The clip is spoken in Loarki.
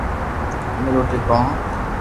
ايتو روئي ڪون ھي